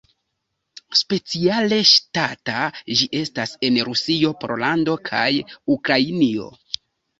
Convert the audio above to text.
Speciale ŝtata ĝi estas en Rusio, Pollando kaj Ukrainio.